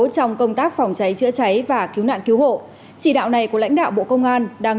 trong công tác phòng cháy chữa cháy và cứu nạn cứu hộ chỉ đạo này của lãnh đạo bộ công an đang